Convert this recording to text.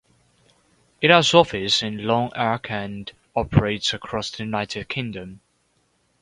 It has offices in Long Acre and operates across the United Kingdom.